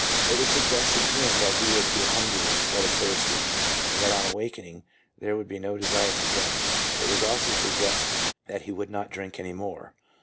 It was suggested to him that he would feel hungry instead of thirsty, and that on awaking there would be no desire for drink. It was also suggested that he would not drink any more.